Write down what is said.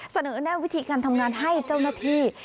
เสนอแน่วิธีการทำงานให้เจ้าหน้าที่